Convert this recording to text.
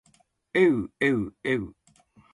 えうえうえう